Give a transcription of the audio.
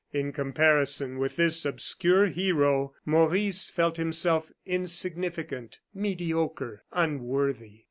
In comparison with this obscure hero, Maurice felt himself insignificant, mediocre, unworthy.